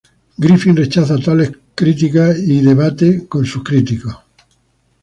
Griffin rechaza tales críticas y ha debatido con sus críticos.